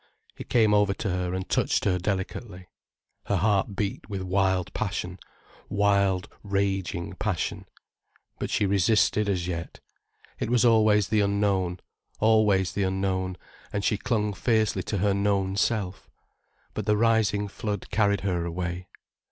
He came over to her, and touched her delicately. Her heart beat with wild passion, wild raging passion. But she resisted as yet. It was always the unknown, always the unknown, and she clung fiercely to her known self. But the rising flood carried her away.